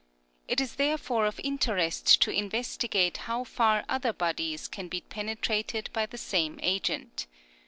It is therefore of in terest to investigate how far other bodies can be penetrated by the same agent.